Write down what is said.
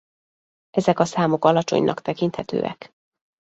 Ezek a számok alacsonynak tekinthetőek.